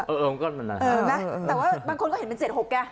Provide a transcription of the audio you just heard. เออเออมันก็มันน่ะเออไหมแต่ว่าบางคนก็เห็นมันเจ็ดหกแก